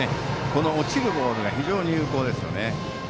この落ちるボールが非常に有効ですね。